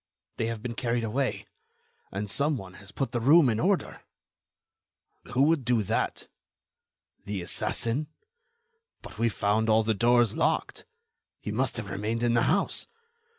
They have been carried away. And some one has put the room in order." "Who would do that?" "The assassin." "But we found all the doors locked." "He must have remained in the house."